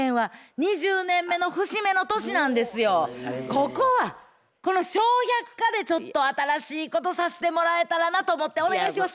ここはこの「笑百科」でちょっと新しいことさしてもらえたらなと思ってお願いします。